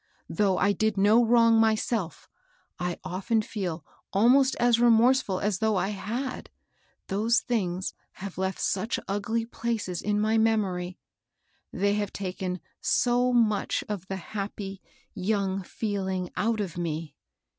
Though I did no wrong myself, I often feel almost as remorseful as though I bad, those things have left such ugly places in my memory, — they have taken so much of the happy, young feeling out of me.